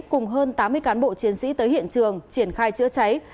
cùng hơn tám mươi cán bộ chiến sĩ tới hiện trường triển khai chữa cháy